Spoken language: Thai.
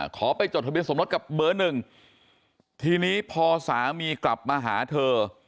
ขอไปจดทะเบียนสมรสกับเบอร์หนึ่งทีนี้พอสามีกลับมาหาเธอ